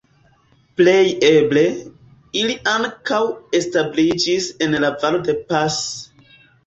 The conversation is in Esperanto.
Plej eble, ili ankaŭ establiĝis en la Valo de Pas.